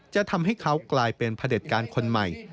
จะทำให้เขากลายเป็นพระเด็จการคนใหม่